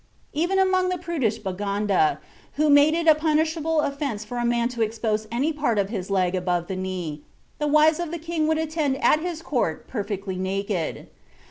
Even amongst the prudish Baganda, who made it a punishable offense for a man to expose any part of his leg above the knee, the wives of the King would attend at his Court perfectly naked.